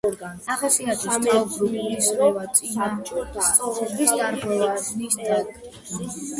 ახასიათებს თავბრუ, გულისრევა, წონასწორობის დარღვევა, ნისტაგმი.